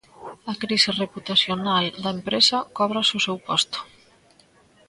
A crise reputacional da empresa cóbrase o seu posto.